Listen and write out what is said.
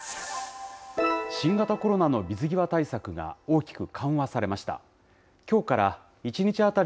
新型コロナの水際対策が大きく緩和されました。